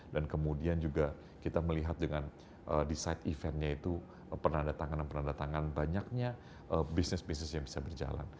dan kemudian juga kita melihat dengan di site event nya itu penandatanganan penandatanganan banyaknya bisnis bisnis yang bisa berjalan